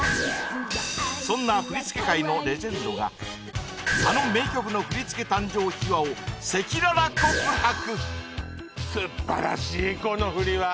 そんな振り付け界のレジェンドがあの名曲の振り付け誕生秘話を赤裸々告白！